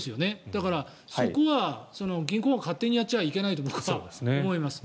だからそこは銀行が勝手にやっちゃいけないと思います。